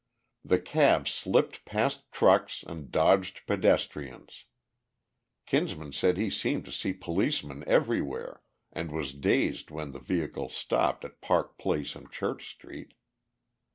The cab slipped past trucks and dodged pedestrians. Kinsman said he seemed to see policemen everywhere, and was dazed when the vehicle stopped at Park Place and Church street.